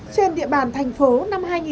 trên địa bàn thành phố hà nội